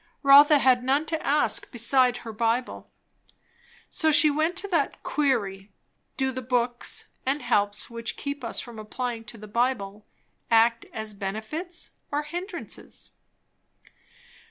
Rotha had none to ask beside her Bible, so she went to that Query, do the books and helps which keep us from applying to the Bible, act as benefits or hindrances?